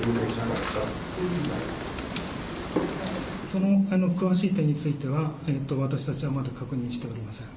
その詳しい点については、私たちはまだ確認しておりません。